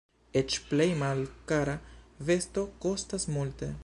Eĉ plej malkara vesto kostas multe.